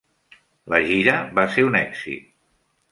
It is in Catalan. La gira va ser un èxit.